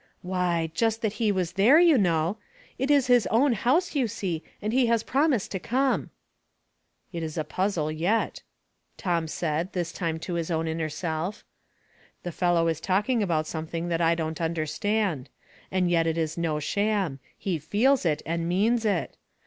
" Why, just that He was there, you know. It is His own house, you see, and He has promised to come." " It is a puzzle yet," Tom said, this time to his own inner self. "The fellow is talking about something that I don't understand ; and yet it is no sham, he feels it and means it.